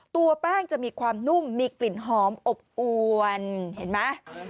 ตัวแป้งจะมีความนุ่มมีกลิ่นหอมอบอวนเห็นไหม